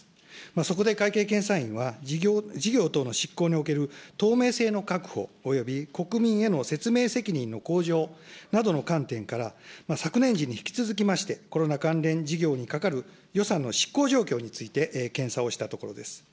そこで会計検査院は事業等の執行における透明性の確保および国民への説明責任の向上などの観点から、昨年時に引き続きまして、コロナ関連事業にかかる予算の執行状況について検査をしたところです。